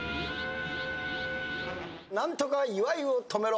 何とか岩井を止めろ。